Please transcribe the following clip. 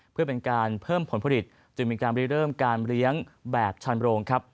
เพื่อเป็นการเพิ่มผลผลิตจึงมีการเริ่มการเลี้ยงแบบชันโรงครับ